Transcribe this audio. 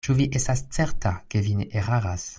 Ĉu vi estas certa, ke vi ne eraras?